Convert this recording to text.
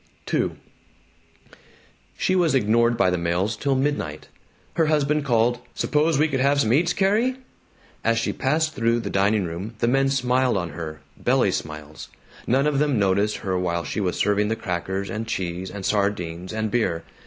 II She was ignored by the males till midnight. Her husband called, "Suppose we could have some eats, Carrie?" As she passed through the dining room the men smiled on her, belly smiles. None of them noticed her while she was serving the crackers and cheese and sardines and beer.